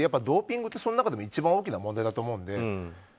ドーピングって、その中でも一番大きな問題だと思うので。